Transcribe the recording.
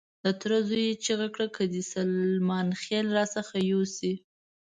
د تره زوی چیغه کړه چې که دې سلیمان خېل را څخه يوسي.